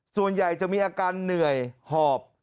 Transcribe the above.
ส่วนใหญ่จะมีอาการเหนื่อยหอบ